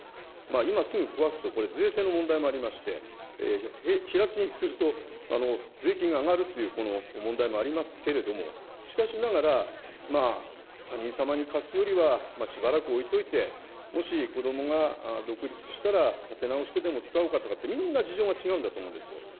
今すぐ壊すと、これ、税制の問題もありまして、平地にすると税金が上がるっていう問題もありますけれども、しかしながら、他人様に貸すよりはしばらくおいておいて、もし子どもが独立したら、建て直してでも使おうかって、みんな事情が違うんだと思うんですよ。